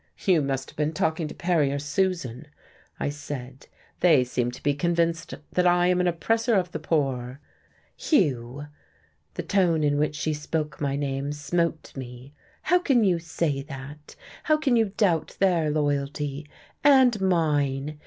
"You must have been talking to Perry or Susan," I said. "They seem to be convinced that I am an oppressor of the poor. "Hugh!" The tone in which she spoke my name smote me. "How can you say that? How can you doubt their loyalty, and mine?